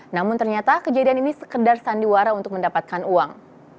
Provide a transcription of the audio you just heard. namun ternyata kejadian ini sekedar sandiwara untuk mendapatkan uang